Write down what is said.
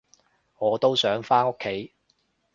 我都想返屋企